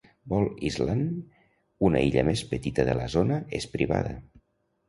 Ball Island, una illa més petita de la zona, és privada.